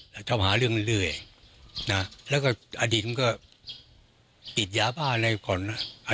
แล้วทำหาเรื่องเรื่อยนะแล้วก็อดีตมันก็ติดยาบ้าอะไรก่อนนะ